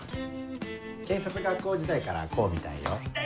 警察学校時代からこうみたいよ。